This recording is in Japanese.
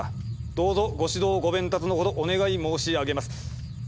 どうぞご指導ご鞭撻のほどお願い申し上げます」。